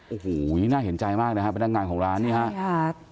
โอ้โหน่าเห็นใจมากนะครับพนักงานของร้านนี้ครับ